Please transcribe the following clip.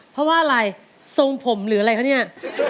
เพราะว่าอะไรทรงผมหรืออะไรคะเนี่ย